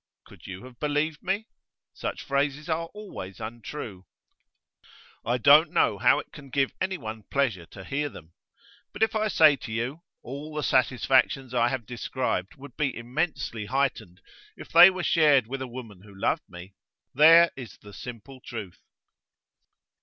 Could you have believed me? Such phrases are always untrue; I don't know how it can give anyone pleasure to hear them. But if I say to you: All the satisfactions I have described would be immensely heightened if they were shared with a woman who loved me there is the simple truth.